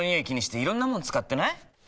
気にしていろんなもの使ってない？